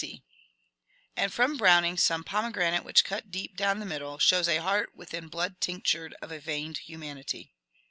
D.C. And from Browning some pomeg^nate which cat deep down the middle. Shows a heart within blood tinctured of a veined humanity.